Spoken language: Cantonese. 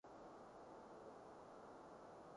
隱遁於「戊、己、庚、辛、壬、癸」六儀之內